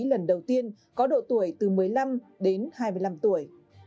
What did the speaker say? lần đầu tiên có độ tuổi từ một mươi năm đến hai mươi năm tuổi